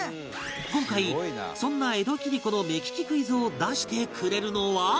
今回そんな江戸切子の目利きクイズを出してくれるのは